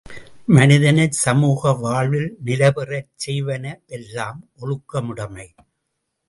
மனிதனைச் சமூக வாழ்வில் நிலைபெறச் செய்வனவெல்லாம் ஒழுக்கமுடைமை.